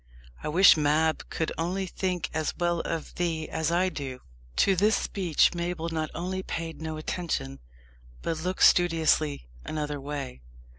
I wish Mab could only think as well of thee as I do." To this speech Mabel not only paid no attention, but looked studiously another way.